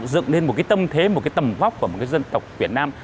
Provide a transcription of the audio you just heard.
dựng lên một cái tâm thế một cái tầm vóc của một cái dân tộc việt nam